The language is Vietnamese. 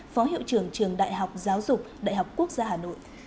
phó hiệu trưởng trường đại học giáo dục đại học quốc gia hà nội